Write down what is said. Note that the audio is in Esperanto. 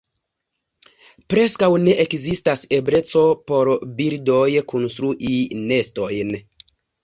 Preskaŭ ne ekzistas ebleco por birdoj konstrui nestojn.